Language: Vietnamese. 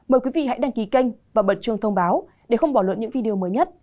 mời quý vị hãy đăng ký kênh và bật chuông thông báo để không bỏ luận những video mới nhất